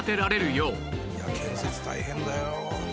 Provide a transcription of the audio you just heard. いや建設大変だよ。